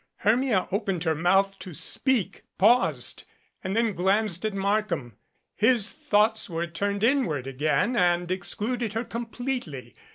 Hermia opened her mouth to speak, paused and then glanced at Markham. His thoughts were turned inward again and excluded her completely.